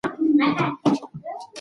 موږ باید بې پرې قضاوت وکړو.